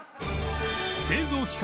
製造期間